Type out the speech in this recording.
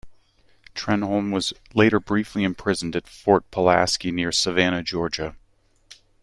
Trenholm was later briefly imprisoned at Fort Pulaski near Savannah, Georgia.